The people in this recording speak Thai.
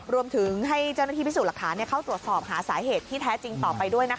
รวมถึงให้เจ้าหน้าที่พิสูจน์หลักฐานเข้าตรวจสอบหาสาเหตุที่แท้จริงต่อไปด้วยนะคะ